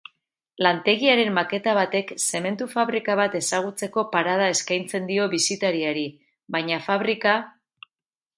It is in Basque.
Lantegiaren maketa batek zementu fabrika bat ezagutzeko parada eskaintzen dio bisitariari, baina fabrika ikusteko.